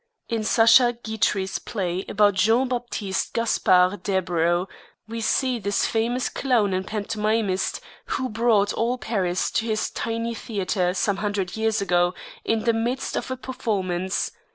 In Sacha Guitry's play about Jean Baptiste Gaspard Deburau we see this famous clown and pantomimist, who brought all Paris to his tiny theater some hundred years ago, in the midst of a performance.